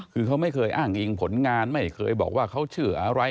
คือเขาไม่เคยอ้างอิงผลงานไม่เคยบอกว่าเขาชื่ออะไร